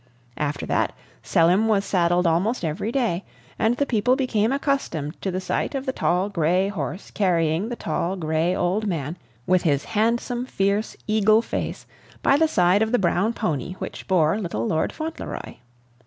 After that, Selim was saddled almost every day; and the people became accustomed to the sight of the tall gray horse carrying the tall gray old man, with his handsome, fierce, eagle face, by the side of the brown pony which bore little Lord Fauntleroy.